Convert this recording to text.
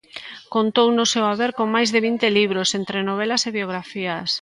Contou no seu haber con máis de vinte libros, entre novelas e biografías.